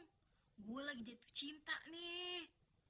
saya sedang jatuh cinta nih